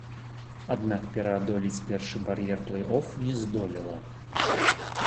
Аднак пераадолець першы бар'ер плэй-оф не здолела.